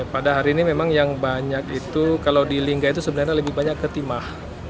pada hari ini memang yang banyak itu kalau di lingga itu sebenarnya lebih banyak ke timah